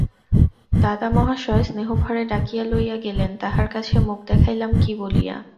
দাদামহাশয় স্নেহভরে ডাকিয়া লইয়া গেলেন, তাঁহার কাছে মুখ দেখাইলাম কী বলিয়া?